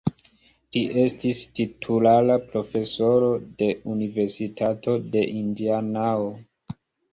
Li estis titulara profesoro de Universitato de Indianao.